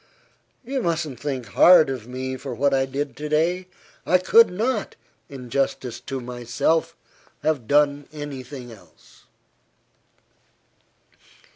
You mustn't think hard of me for what I did to day. I could not, in justice to myself, have done any thing else."